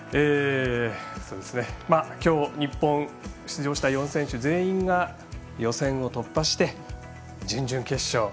きょう日本出場した４選手が全員予選突破して準々決勝。